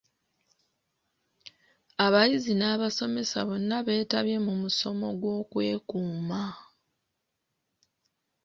Abayizi n'abasomesa bonna betabye mu musomo gw'okwekuuma.